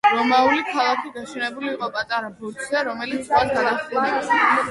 რომაული ქალაქი გაშენებული იყო პატარა ბორცვზე, რომელიც ზღვას გადაჰყურებდა.